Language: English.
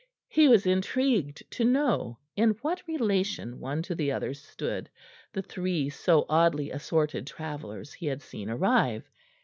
He was intrigued to know in what relation one to the other stood the three so oddly assorted travellers he had seen arrive.